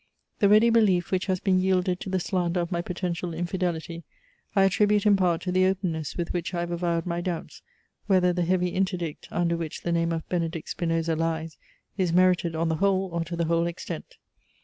The ready belief which has been yielded to the slander of my "potential infidelity," I attribute in part to the openness with which I have avowed my doubts, whether the heavy interdict, under which the name of Benedict Spinoza lies, is merited on the whole or to the whole extent.